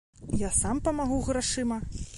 Я сам памагу грашыма.